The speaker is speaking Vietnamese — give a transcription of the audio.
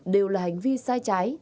đều là hành vi sai trái